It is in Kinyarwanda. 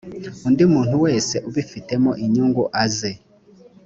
undi muntu wese ubifitemo inyungu aze